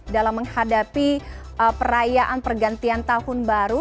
dalam menghadapi perayaan pergantian tahun baru